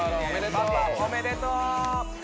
パパおめでとう！